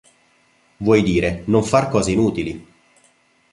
Vuoi dire: non far cose inutili.